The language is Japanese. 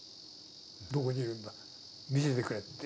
僕に言うんだ「見せてくれ」って。